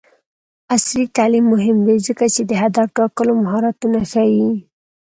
عصري تعلیم مهم دی ځکه چې د هدف ټاکلو مهارتونه ښيي.